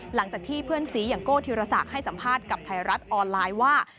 หลังจากที่เพื่อนสีอย่างโก้ธิรศักดิ์ให้สัมภาษณ์กับไทยรัฐออนไลน์ว่า